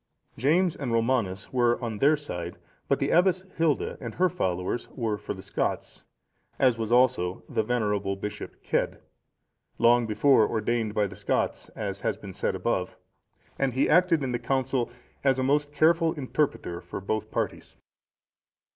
James and Romanus were on their side; but the Abbess Hilda and her followers were for the Scots, as was also the venerable Bishop Cedd,(467) long before ordained by the Scots, as has been said above, and he acted in that council as a most careful interpreter for both parties.